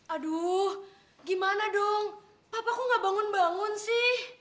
aduh gimana dong apa kok gak bangun bangun sih